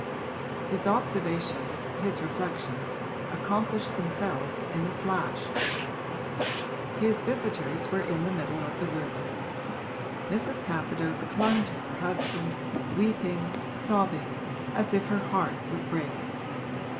His observation, his reflections, accomplished themselves in a flash. His visitors were in the middle of the room; Mrs. Capadose clung to her husband, weeping, sobbing as if her heart would break.